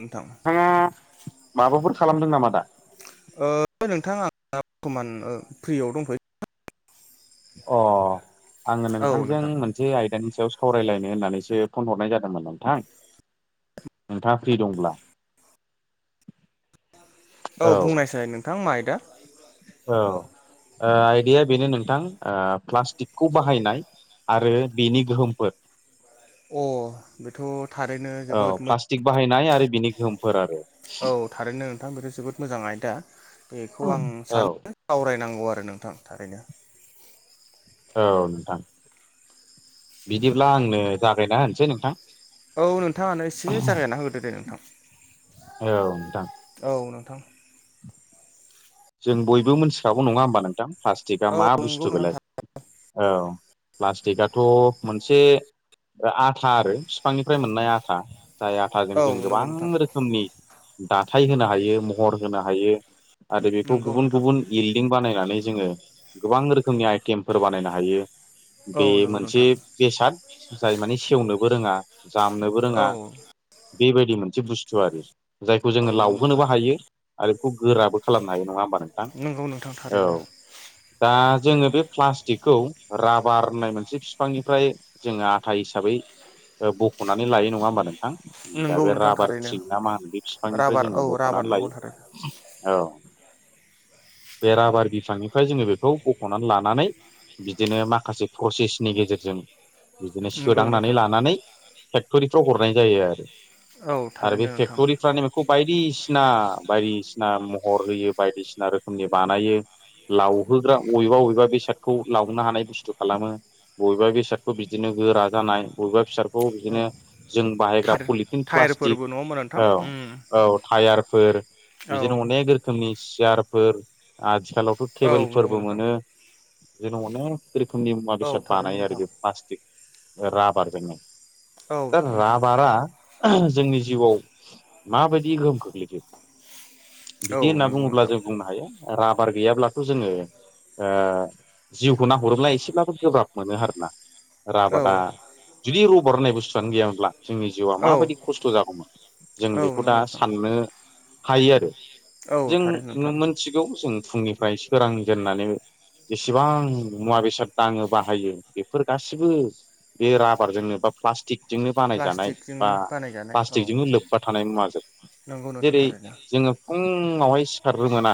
नोंथां। नोंथाङा माबाफोर खालामदों नामा दा? ओ नोंथां आंहा [unintelligible] थ'मान फ्रियाव दंथयो। अ आङो औ नोंथांजों नोंथां मोनसे आयदानि सायाव सावरायलायनो होननानैसो फन हरनाय जादोंमोन नोंथां। नोंथाङा फ्रि दंब्ला। [inaudible] औ बुंनायसाय नोंथां मा आयदा? औ ओ आयदाया बेनो नोंथां ओ प्लास्टिकखौ बाहायनाय आरो बिनि गोहोमफोर। अ बेथ' थारैनो जोबोद मो नाय आरो बिनि गोहोमफोर आरो। औ थारैनो नोंथां बे जोबोद मोजां आयदा बेखौ आं औ सानो सावरायनां गौ आरो नोंथां थारैनो। औ नोंथां बिदिब्ला आंनो जागायना होनोसै नोंथां। औ नोंथाङानो एसे औ जागायनानै होग्रोदो दे नोंथां नोंथां औ। थां। जों बयबो मिथिखागौ नङा होमबा नोंथां प्लास्टिकआ औ मा नंगौ बुस्थु बेलाय। नोंथां औ प्लास्टिकआथ' मोनसे आथा आरो बिफांनिफ्राय मोननाय आथा। जाय आथाजों औ जों नंगौ गोबां नोंथां रोखोमनि दा थाय होनो हायो महर होनो हायो आरो बेखौ नंगौ गुबुन नोंथां गुबुन बिल्डिं बानायनानै जोङो गोबां रोखोमनि आइथेमफोर बानायनो हायो। औ बे नंगौ मोनसे नोंथां बेसाद जाय माने सेवनोबो रोङा। जामनोबो औ रोङा बेबायदि मोनसे बुस्थु आरो। जायखौ औ जोङो नंगौ नोंथां लावहोनोबो हायो आरो बेखौ गोराबो खालामनो हायो नङा होमबा नोंथां नंगौ नोंथां औ थारैनो दा जोङो बे प्लास्टिकखौ राबार होननाय मोनसे बिफांनिफ्राय जोङो आथा हिसाबै बख'नानै लायो नङा होमबा नों थां? दा नंगौ बे नोंथां राबार थारैनो थ्रिक ना मा होनो बे बिफांनिफ्राय राबार जोङो राबार बख'नानै नंगौ लायो। थारैनो औ औ। बे राबार बिफांनिफ्राय जोङो बेखौ बख'नानै लानानै बिदिनो माखासे प्रसेसनि गेजेरजों - बिदिनो नंगौ सोदांनानै नोंथां लानानै फेक्टरिफ्राव हरनाय जायो आरो। औ आरो बे थारैनो नोंथां फेक्ट'रिफ्रानो बेखौ बायदिसिना बायदिसिना सिना महर होयो बायदिसिना रोखोमनि बानायो। लावहोग्रा बबेबा बबेबा बेसादखौ लावनो हानाय बुस्थु खालामो बबेबा बेसादखौ बिदिनो गोरा जानाय बबेबा बेसादखौ औ बिदिनो जों बाहायग्रा थार पलिटिन प्लास्टिक टायारफोरबो नङा होमबा नोंथां औ उम औ टायार फोर औ बिदिनो अनेक रोखोमनि सियारफोर आ आथिखालावथ' औ नंगौ टेबोलफोरबो नोंथां मोनो जों अनेक रोखोमनि मुवा औ बेसाद थारैनो बानायो आरो नोंथां बे प्लास्टिक राबारजोंनो औ दा नोंथां राबारा जोंनि जिउआव माबायदि गोहोम खोख्लैखो? औ बिदि होनना नंगौ बुङोब्ला नोंथां जों बुंनो हायो राबार गैयाब्लाथ' जोङो ओ जिउखौ नाहरोब्ला एसेब्लाबो गोब्राब मोनो आरोना औ राबारदा जुदि रबार होननाय बुस्थुआनो गैयामोनब्ला जोंनि जिउआ औ माबायदि खस्थ' जागौमोन। जों औ बेखौ नंगौ दा नोंथां साननो हायो आरो। औ जों थारैनो नोंथां मोनथिगौ जों फुंनिफ्राय सोरांजेननानै जेसेबां मुवा बेसाद दाङो बाहायो बेफोर गासिबो बे राबारजोंनोबा प्लास्टिक प्लासटिक जोंनो बानाय जानाय बा प्लास्टिकजोंनो बानायजानाय औ प्लास्टिकजोंनो लोब्बा थानाय मुवाजों नंगौ नोंथां जेरै थारैनो जोङो फुङावहाय सिखारग्रो मोना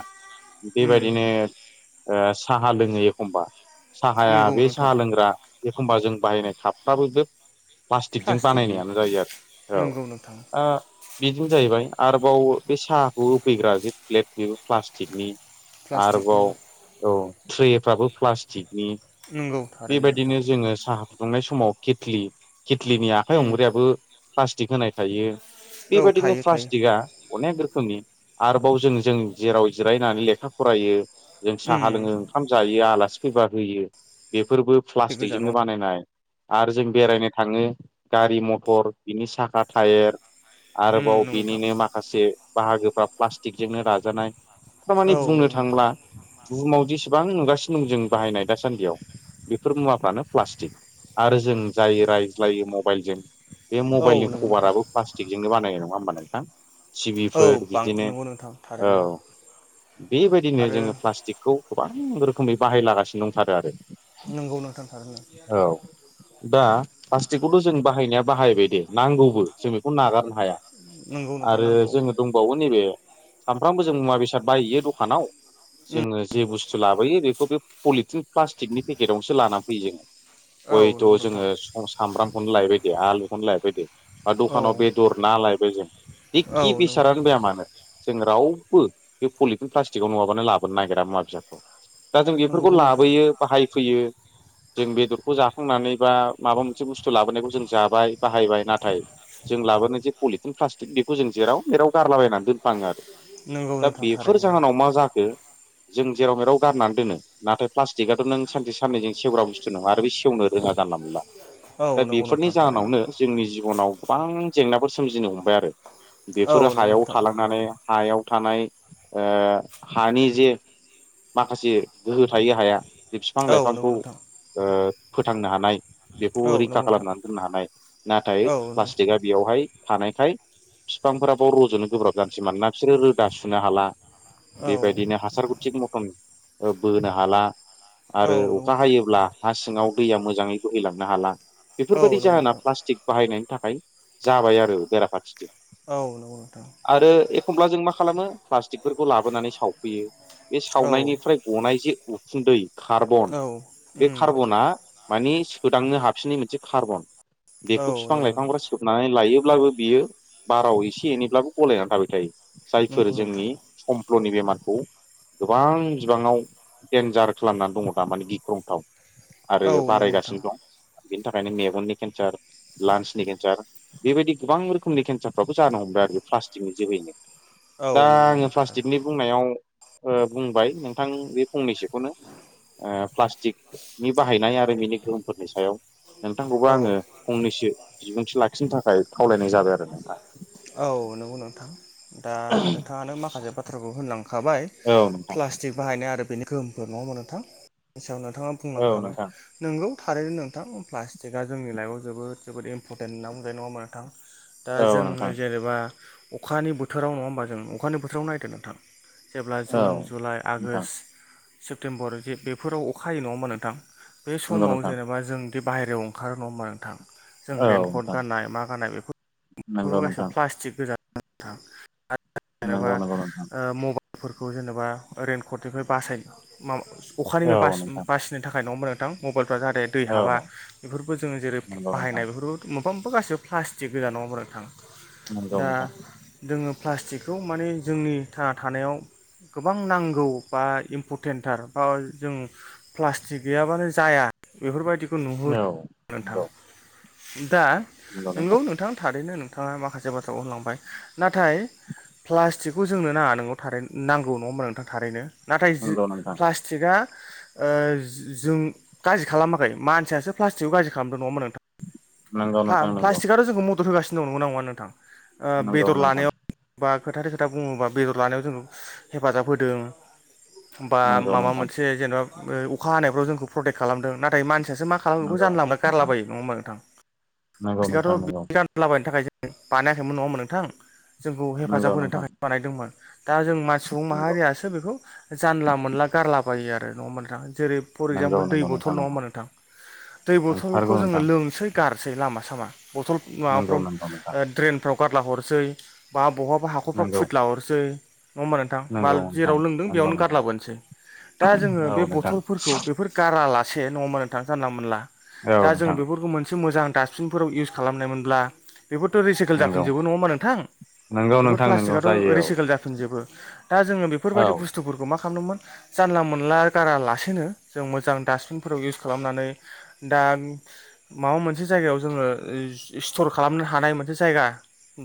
उम बेबायदिनो ओ साहा लोङो एखमबा साहाया नंगौ बे नोंथां साहा लोंग्रा एखमबा जों बाहायनाय कापफ्राबो बे प्लास्टिकजों प्लास्टिकनि बानायनायानो जायो आरो। औ नंगौ नोंथां दा बेजोंनो जाहैबाय आरोबाव बे साहाखौ होफैग्रा जे प्लेट बेबो प्लास्टिकनि प्लास्टिकनि आरोबाव औ ट्रेफ्रोबो प्लास्टिक नंगौ थारैनो नोंथां बेबायदिनो जोङो साहा दुंनाय समाव केतलि केेटलिनि आखाइ उम हमग्रायाबो प्लास्टिक होनाय थायो। औ बेबायदिनो थायो थायो प्लास्टिकआ अनेक रोखोमनि आरोबाव जों जों जेराव जिरायनानै लेखा फरायो जों उम साहा लोङो ओंखाम जायो आलासि फैबा होयो बेफोरबो प्लास्टिकजोंनो गोजानाव बानायनाय। आरो जों बेरायनो थाङो गारि मथर बिनि साखा टायार उम आरोबाव नंगौ नोंथां बिनिनो माखासे बाहागोफ्रा प्लास्टिकजोंनो दाजानाय। थार माने औ बुंनो नंगौ नोंथां थांब्ला बुहुमाव जेसेबां नुगासिनो दं जों बाहायनाय दासान्दियाव बेफोर मुवाफ्रानो प्लास्टिक। आरो जों जाय रायज्लायो मबाइलजों बे औ मबाइलनि नंगौ नोंथां कभाराबो प्लास्टिकजोंनो बानायनाय नङा होमबा नोंथां। टिबि औ बिफोर बां बिदिनो नंगौ नोंथां औ थारैनो बेबायदिनो आरो जोंङो प्लास्टिकखौ गोबां रोखोमै बाहायलागासिनो दंथारो आरो। नंगौ नोंथां थारैनो। औ दा प्लास्टिकखौथ' जों बाहायनाया बाहायबाय दे नांगौबो जों बेखौ नागारनो हाया। नंगौ नोंथां आरो नांगौ जोंङो दंबावो नैबे सामफ्रामबो जों मुवा बेसाद बायहैयो दखानाव। जोंङो जे बुस्थु लाबोयो बेखौ बे पलिटिन प्लास्टिकनि पेकेटआवनोसो लानानानै फैयो जोंङो। औ हयथ' नंगौ नोंथां जोंङो सामब्रामखौनो लायबाय दे आलुखौनो लायबाय दे बा दखानाव औ बेदर, ना लायबाय जों औ दिखि नंगौ बिसारानो जाया मानो जों रावबो बे पलिटिन प्लास्टिकआव नङाबानो लाबोनो नागिरा मुवा बेसादखौ। दा जों बेफोरखौ नंगौथ' नोंथां लाबोयो बाहायफैयो। जों बेदरखौ जाफांनानै बा माबा मोनसे बुस्थु लाबोनायखौ जों जाबाय बाहायबाय नाथाय जों लाबोनो जे पलिटिन प्लास्टि थिग बेखौ जों जेराव जेराव गारलाबायनानै दोनफ्लांङो आरो नंगौ दा नोंथां बेफोर थारैनो जाहोनाव मा जाखो जों जेराव मेराव गारनानै दोनो नाथाय प्लास्टिकआथ' नों सानसे साननैजों सेवग्रा बुस्थु दङा आरो बे सेवनो रोङा जानला मानला। दा औ नंगौ बेफोरनि नोंथां थारैनो जाहोनावनो जोंनि जिबनाव गोबां जेंनाफोर सोमजिनो हमबाय आरो। औ बेफोरो नंगौ हायाव नोंथां थालांनानै हायाव थानाय ओ हानि जे माखासे गोहो थायो हाया बे बिफां औ लाइफांखौ नंगौ नोंथां ओ फोथांनो हानाय बेखौ औ रैखा नंगौ नोंथां खालामनानै दोननो हानाय नाथाय औ नंगौ प्लास्टिकआ नोंथां बेयावहाय थानो खाय बिफांफोराबाव रज'नो गोब्राब जानोसै मानोना बिसोरो रोदा सुनो हाला औ बेबायदिनो हासारखौ नोंथां थिग मटन ओ बोनो हाला आरो औ नंगौ अखा नोंथां हायोब्ला हा सिङाव दैया मोजाङै बोहैलांनो हाला औ बेफोरबायदि नंगौ जाहोना नोंथां प्लास्टिक बाहायनायनि थाखाय जाबाय आरो बेरा फारसेथिं औ नं आरो एखमब्ला जों मा खालामो प्लास्टिकफोरखौ लाबोनानै सावफैयो बे औ सावनायनिफ्राय ग अनाय जे उखुन्दै जे कार्बन औ बे उम कार्बना माने सोदांनो हाफिननाय मोनसे कार्बन औ बेखौ बिफां नंगौ नोंथां लाइफांफ्रा सोबनानै लायोब्लाबो बियो बाराव एसे एनैब्लाबो गलायनानै थाबाय थायो जायफोर नंगौ जोंनि नोंथां समफ्ल'नि बेमारखौ गोबां बिबाङाव देन्जार खालामनानै दङ थारमाने गिख्रंथाव आरो औ नंगौ नोंथां बारायगासिनो दं। बिनि थाखायनो मेगननि केन्सार लान्सनि केन्सार बेबायदि गोबां रोखोमनि केन्सार फाबो जानो हमबाय आरोखि प्लास्टिक निदि होनो। औ दा नंगौ आंङो नोंथां प्लास्टिकनि थारैनो बुंनायाव बुंबाय नोंथां बे फंनैसोखौनो। ओ प्लास्टिकनि बाहायनाय आरो बिनि गोहोमफोरनि सायाव। नोंथांखौबो औ आंङो फंनैसो बिबुंथि लाखिनो थाखाय खावलायनाय जाबाय आरो नोंथाङा। [unintelligible] थां आनो माखासे बाथ्राखौ होनलां खाबाय नोंथां प्लासटिक बाहायनाय आरो बिनि गोहोमफोर नङाहोमबा नोंथां। बेनि सायाव नोंथाङा औ बुंलांखाबाय नोंथां नोंगौ। थारैनो नोंथां प्लास्टिक जोंनि लाइफआव जोबोद जोबोद इमपरेन्ट होनना बुंनाय नङा नोंथां। दा औ जोंङो नोंथां जेनेबा अखानि बोथोराव नङा होमबा जों अखानि बोथोराव नायदो नोंथां जेब्ला औ जुन जुलाइ नोंथां आगष्ट सेप्तेम्बर जे बेफोराव अख हायो नङा होमा नोंथां बे औ नोंथां नंगौ समाव नोंथां जेनेबा जों बिदि बाहेरायाव अंखारो नङा होमबा नोंथां जों औ रेेनकट नोंथां गाननाय मा गाननाय बे बेफोर नंगौ गासैबो नोंथां प्लास्टिक गोजान थां जेबा नंगौ नंगौ नोंथां ओ मबाइल फोरखौ जेनेबा रइेनकटनिफ्राय बासायनो माबा अखानिफ्राय औ ब नोंथां बासिनो थाखाय नङा होना नोंथां मबाइलफ्रा जाहे दै हाबा औ बेफोरफोरखौबो जोंङो जेरै नंगौ नोंथां बाहायनाय बेफोरफोरखौ सोमबो गासिबो प्लास्टिक गोजान नङा होमबा। नंगौ दा नोंथां जोंङो प्लास्टिकखौ माने जोंनि था थानायाव गोबां नांगौ बा इम्परटेन्टथार बा जों प्लास्टिक गैयाबानो जाया। बेफोरबायदिखौ नुहुरो औ नोंथां। नंगौ दा नोंगौ नोंथां थारैनो नोंथाङा माखासे बाथ्राखौ होनलांबाय नाथाय। प्लास्टिकखौ जोंनो नाङा नंगौ थारै नांगौ नङा होनबा नोंथां थारैनो। नाथाय ज नंगौ नोंथां प्लास्टिकआ ओ जों गाज्रि खालामाखै मानसियासो प्लास्टिकआव गाज्रि खालामदों नङा होनबा‌नों नंगौ प्ला नोंथां नंगौ प्लासटिगाथ' जोंखौ म दर होगासिनो दं नंगौना नङा नोंथां बेदर लानायाव बा खोथाथे खोथा बुङोबा बेदर लानायाव जों हेफाजाब होदों। बा नंगौ माबा नोंथां मोनसे जेनेबा अखा हानायफ्राव जोंखौ प्रटेक्ट खालामदों नाथाय मानसि सो मा खालामो बेखौ नंगौ जानला मोनला नोंथां गारलाबायो नङा होमबा नोंथां। नंगौ नोंथां नंगौ नोंथां नंगौ [unintelligible] जगायनो थाखाय जों बानायाखैमोन नङामोन नोंथां जोंखौ हेफाजाब नंगौ होनो नोंथां थाखाय बानायदोंमोन। दा जों मान सुबुं माहारियासो बेखौ जानला मोनला गारलाबायो आरो नङा होनबा नोंथां। जेरै फर नंगौ नंगौ एक्जामपोल दै बथल नोंथां नङा नंगौ होनबख नोंथां दै बथलखौ नंथारगौ जोङो नोंथां लोमसै गार गासै लामा सामा बथल नंगौ माबाफ्राव नंगौ नोंथां ड्रेनफ्राव। गारला हरसै बा बहाबा हाखरफ्राव नंगौ खुइदला हरसै नङा होमबा नोंथां बाल नंगौ नोंथां जेराव लोंदों नंगौ बेयावनो नोंथां गारलाबोनोसै। दा जोङो बे औ बथलफोरखौ बेफोर गारा ला नङा होनबा नोंथां सानला मोनला दा जों नोंथां बेफोरखौ मोनसे मोजां दास्बिनफोराव इउस खालामनाय ब्ला बेफोरथ' रिसाइकेल औ जाफिनजोबो नोंथां नङा होनबा नोंथां नंगौ बेफोर नोंथां नंगौ प्लास्टिकआथ' जायो रिसाइकेल जाफिनजोबो। दा जोङो औ बेफोरबायदि औ बुस्थुफोरखौ मा खालाम जानला मोन गाैनो जों मोजां बिनावउनानै दा माबा मोनसे जायगायाव जोङो स्टर खालामनो हानाय मोनसे जायगा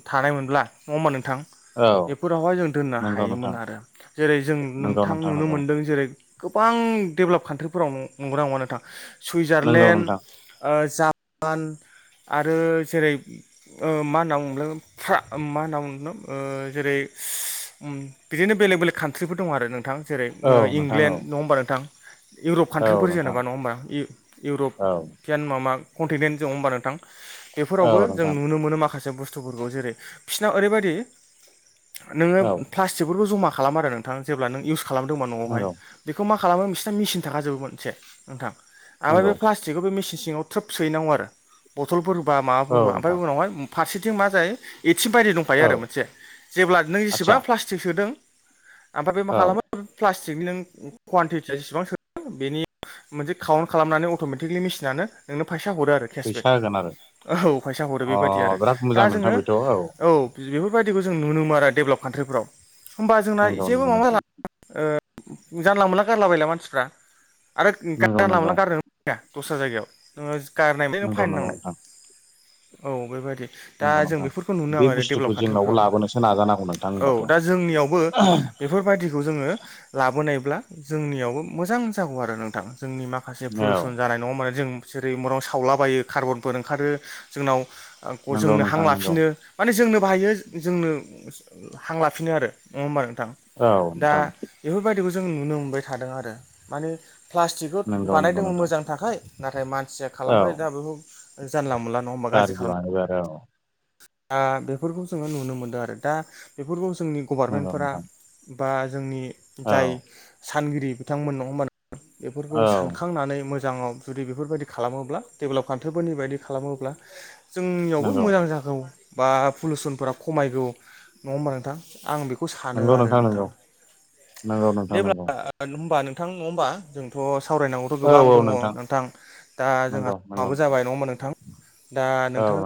थानायमोनब्ला नङा हबा नोंथां। औ बेफोरावहाय जों दोननो नंगौ हायोमोन नोंथां आरो जेरै जों नंगौ नोंथां नुनो नंगौ मोनदों जेरै गोबां डेभेलप कान्ट्रिफोराव नंगौना नंङा नोंथां नंगौ सुइजारलेण्ड नोंथां ओ जापान आरो जेरै मा होनना बुंदों मा होनना बु जेरै बिदिनो बेलेग बेलेक कान्ट्रिफोर दङ आरो नोंथां जेरै औ नोंथां औ इंलेण्ड नङा हबा नोंथां। इउरप औ काान्ट्रिफोर नोंथां जेनेबा नङा होमबा औ इउरपियान माबा कन्टिनेन्ट जोंङ होमबा नोंथां औ बेफोरावबो जों नोंथां नुनो मोनो माखासे मासे बुस्थुफोरखौ जेरै बिसिरनाव ओरैबायदि नोङो औ प्लास्टिकफोरखौ जमा खालाम आरो नोंथां जेब्ला नों इउस खालामदोंबा न'आवहाय नंगौ बेखौ मा खालामो बिसोरना मेसिन थाखाजोबोमोन मोनसे नोंथां ओमफ्राय बे नंगौ प्लास्टिकखौ बे मेचन सिङाव थ्रोब सोहैनांगौ आरो बथलफोर होबा माबाफोर औ ह होा ओमफ्राय नोंथां उावाय फारसेथिं मा जायो आसिम बायदि दंखायो औ आरो मोनसे जेब्ला नों आदसा जेसेबां प्लास्टिक सोदों ओमफ्राय बे मा औ खालामो प्लास्टिकनि नों कुवानटिटिया जेसेबां सोद बेनि मोनसे काउन्ट खालामनानै अट'मेटिकलि मेसिनानो नोंनो फैसा फैसा हरो आरो केसबेक फैसा होगोन आरो औ फैसा हरो बेबायाददि आरो अ बिराद दा मोजां नोंथां जोङो बेथ' औ औ। बेफोरबायदिखौ जों नुनो मोनो आरो डेभलप कान्ट्रिफ्राव होमबा जोंना नंगौ एसेबो नंगौ माबा नोंथां जाला ओ जानला मोनला गारलाबायला मानसिफ्रा आरो नंगौ जानला मोनला नंगौ गारनोहोआ दस्रा जायगायाव नोङो गारनायमोन नों नंगौ फाइन नंगौ नांनाय नोंथां औ बेबायदि नंगौ दा जों नोंथां बेफोरखौ नुनो बे आरो बुस्थुखौ डेभेलप जोंनावबो कान्टारफ्राव लाबोनोसो नाजानांगौ नोंथां औ होनबाथ' दा जोंनियावबो बेफोरबायाददिखौ जोङो लाबोनायब्ला जोंनियावबो मोजां जागौ आरो नोंथां जोंनि माखासे पलुसन जानाय नङा माने जों जेरै मराव सावलाबायो कार्बनफोर ओंखारो जोंनाव नंगौ जोंनो हां नोंथां नंगौ लाफिनो माने जोंनो बाहायो जोंनो हां लाफिनो आरो नङा नं औ दा नोंथां बेफोरबायदिखौ जों नुनो मोनबाय थादों आरो माने प्लास्टिकखौ नंगौ नंगौ बानायदोंमोन नोंथां मोजां थाखाय नाथाय मानसिया औ खालामबाय दा बेखौ जानलाांबाय। [inaudible] दा बेफोरखौ जोङो नुनो मोनदों आरो दा बेफोरखौ जोंनि नंगौ गभार्नमेन्टफोरा नोंथां बा जोंनि औ जाय सानगिरि बिथांमोन नङा होनबा बेफोरखौ औ सानखांनानै मोजां मोजाङाव जुदि बेफोरबायदि खालामोब्ला डेभेलप खान्थि्रिफोरनि बायदि खालामोब्ला जोंनियावबो नंगौ मोजां जागौ बा पलुउसनफोरा खमायगौ नङा होमबा नोंथां आं बेखौ खौ सानो नंगौ आरो नोंथां नंगौ नंगौ नोंथां जेब्ला नंगौ [inaudible] थां नङा होमबा जोंथ' सावरायनांगौथ' औ गोबां औ दङ नोंथां दा जोंहा नंगौ नंगौ माबो जाबाय नङा होनबा नोंथां? दा नोंथां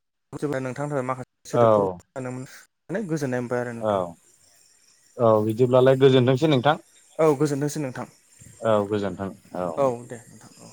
[inaudible] नोंथां दहाय माखा औ सोदोबफोर [inaudible] नै गोजोननाय मोन औ औ बिदिब्लालाय गोजोनथोंसै नोंथां औ गोजोनथोंसै नोंथां औ गोजोन्थों औ दे नोंथां औ